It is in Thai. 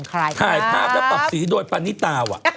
ถ้าถ่ายถ้าจะปรับสีโดยปานิตาว่ะ